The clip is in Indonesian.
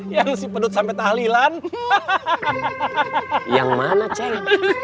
yang si penut sampai talilan hahaha yang mana ceng